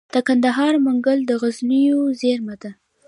د کندهار منگل د غزنوي زیرمه ده